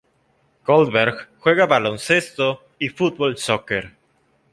Goldberg juega baloncesto y fútbol soccer.